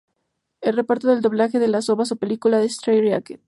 El reparto del doblaje de las Ovas e Película de Strait Jacket.